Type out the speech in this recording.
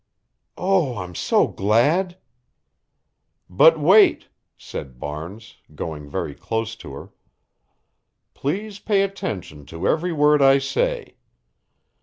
"Oh, I'm so glad." "But wait," said Barnes, going very close to her. "Please pay attention to every word I say.